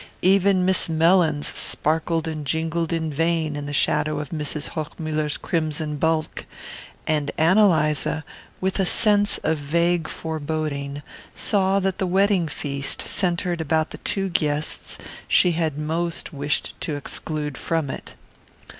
Even Miss Mellins sparkled and jingled in vain in the shadow of Mrs. Hochmuller's crimson bulk; and Ann Eliza, with a sense of vague foreboding, saw that the wedding feast centred about the two guests she had most wished to exclude from it.